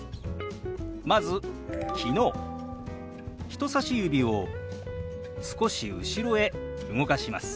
人さし指を少し後ろへ動かします。